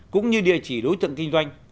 cũng như địa chỉ đối tượng kinh doanh